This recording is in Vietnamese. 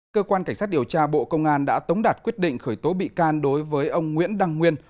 cơ quan cảnh sát điều tra bộ công an đã tống đạt quyết định khởi tố bị can đối với ông nguyễn đăng nguyên